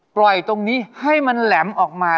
ปล่อยตรงนี้ให้มันแหลมออกมา